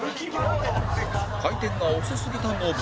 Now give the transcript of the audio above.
回転が遅すぎたノブ